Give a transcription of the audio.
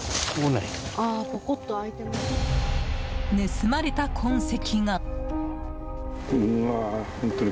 盗まれた痕跡が。